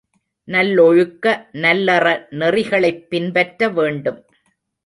நல்லொழுக்க நல்லற நெறிகளைப் பின்பற்ற வேண்டும்.